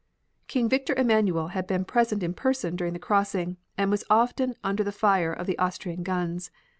King Victor Emanuel had been present in person during the crossing, and was often under the fire of the Austrian guns.